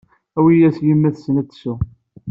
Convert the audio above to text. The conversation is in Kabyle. Awi-yas i yemma-tsen ad tsew.